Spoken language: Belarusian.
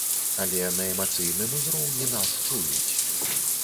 Але на эмацыйным узроўні нас чуюць.